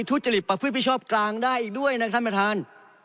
ทุจริปประพฤติพิชอบกลางได้ด้วยนะท่านบันทราญ